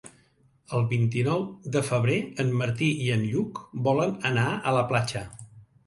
El vint-i-nou de febrer en Martí i en Lluc volen anar a la platja.